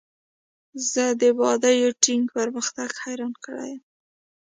زه د بایو ټیک پرمختګ حیران کړی یم.